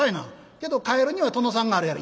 「けどカエルには殿さんがあるやろ」。